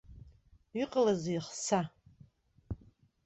Иҟалазеи, хса?!